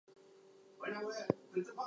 She is also an advocate of migrant rights.